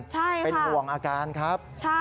ใช่ค่ะเป็นอ่วงอาการครับใช่ค่ะ